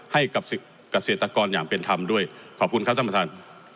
ให้กับเกษตรกรอย่างเป็นธรรมด้วยขอบคุณครับท่านประธาน